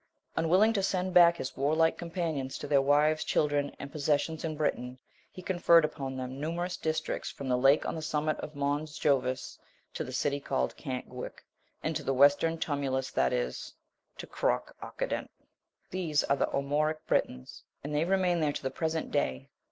Unwilling to send back his warlike companions to their wives, children, and possessions in Britain, he conferred upon them numerous districts from the lake on the summit of Mons Jovis, to the city called Cant Guic, and to the western Tumulus, that is, to Cruc Occident.* These are the Armoric Britons, and they remain there to the present day.